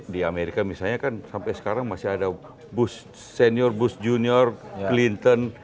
di amerika misalnya kan sampai sekarang masih ada bus senior bus junior clinton